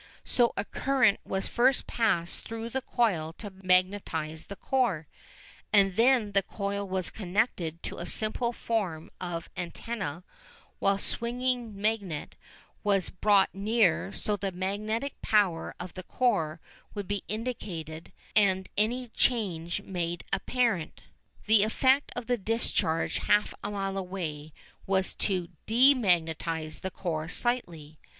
So a current was first passed through the coil to magnetise the core, and then the coil was connected to a simple form of antenna while a swinging magnet was brought near so that the magnetic power of the core would be indicated and any change made apparent. The effect of the discharge half a mile away was to _de_magnetise the core slightly.